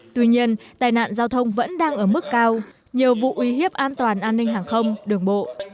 tuy nhiên tai nạn giao thông vẫn đang ở mức cao nhiều vụ uy hiếp an toàn an ninh hàng không đường bộ